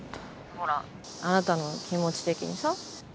ほらあなたの気持ち的にさ